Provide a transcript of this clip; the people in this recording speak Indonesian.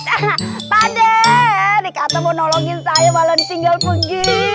pak adek dikata mau nolongin saya malah di singgah pergi